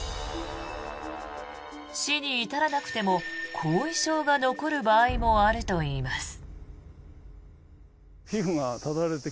死に至らなくても後遺症が残る場合もあるといいます。